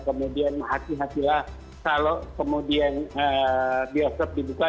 kemudian hati hatilah kalau kemudian bioskop dibuka